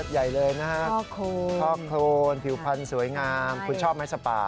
ใหญ่เลยนะฮะท่อโครนผิวพันธ์สวยงามคุณชอบไหมสปา